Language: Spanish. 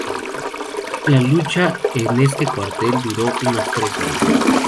La lucha en este cuartel duró unas tres horas.